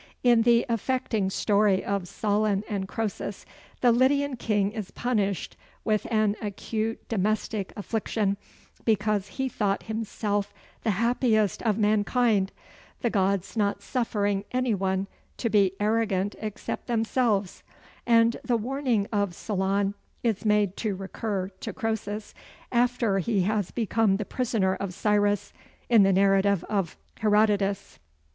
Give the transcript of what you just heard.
In the affecting story of Solon and Croesus, the Lydian king is punished with an acute domestic affliction because he thought himself the happiest of mankind the gods not suffering any one to be arrogant except themselves; and the warning of Solon is made to recur to Croesus after he has become the prisoner of Cyrus, in the narrative of Herodotus.